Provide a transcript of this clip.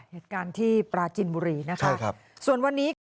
เหตุการณ์ที่ปราจินบุรีนะคะครับส่วนวันนี้ค่ะ